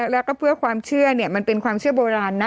แล้วก็เพื่อความเชื่อมันเป็นความเชื่อโบราณนะ